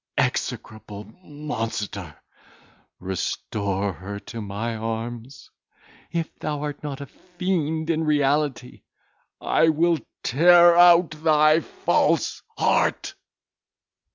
execrable monster! Restore her to my arms. If thou art not a fiend in reality, I will tear out thy false heart."